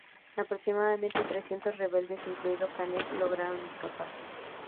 Aproximadamente, trescientos rebeldes, incluido Canek, lograron escapar.